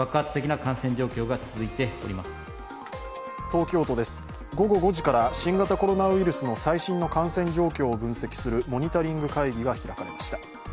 東京都です、午後５時から新型コロナウイルスの最新の感染状況を分析するモニタリング会議が開かれました。